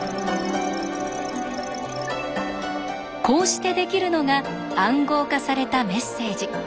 こうしてできるのが暗号化されたメッセージ。